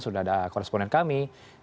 sudah ada koresponen kami